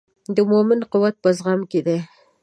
د مؤمن قوت په زغم کې دی.